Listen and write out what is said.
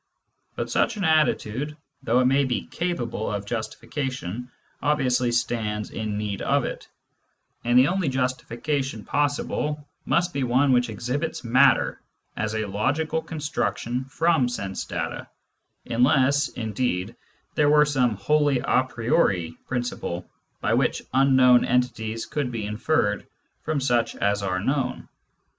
But such an attitude, though it may be capable of justification, obviously stands in need of it ; and the only justification possible must be one which exhibits matter as a logical construction from sense data — unless, indeed, there were some wholly a priori principle by which unknown entities could be inferred from such as are known.